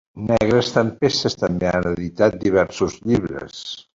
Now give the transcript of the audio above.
Negres Tempestes també ha editat diversos llibres.